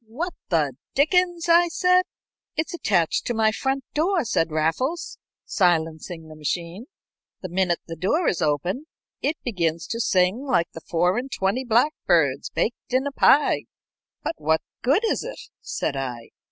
"What the dickens!" I said. "It's attached to my front door," said Raffles, silencing the machine. "The minute the door is opened it begins to sing like the four and twenty blackbirds baked in a pie." "But what good is it?" said I.